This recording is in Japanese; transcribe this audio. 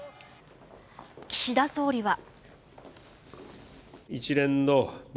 岸田総理は。